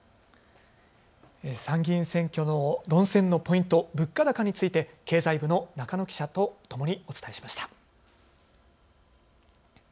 参議院選挙の論戦のポイント、物価高について経済部の中野記者と共にお伝えしました